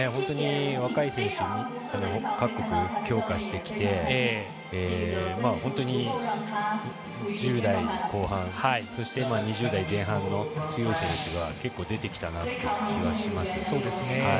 若い選手各国強化してきて本当に１０代後半そして、２０代前半の強い人が結構出てきたなという気がしますね。